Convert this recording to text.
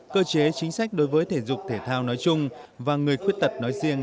cơ chế chính sách đối với thể dục thể thao nói chung và người khuyết tật nói riêng